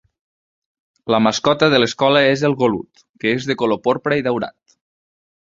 La mascota de l'escola és el golut, que és de color porpra i daurat.